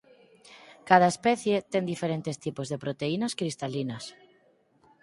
Cada especie ten diferentes tipos de proteínas cristalinas.